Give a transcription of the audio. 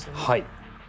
はい。